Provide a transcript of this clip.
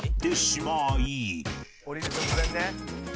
「降りる直前ね」